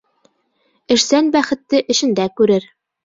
Эшсән бәхетте эшендә күрер